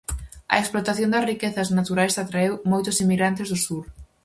A explotación das riquezas naturais atraeu moitos inmigrantes do sur.